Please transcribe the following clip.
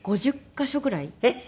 えっ！